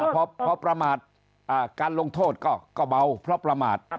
พอประมาทการลงโทษก็เบาเพราะประมาท